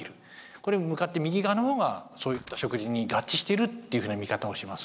これも向かって右側の方がそういった食事に合致しているっていうふうな見方をします。